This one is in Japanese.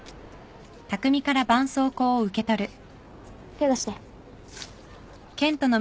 手出して。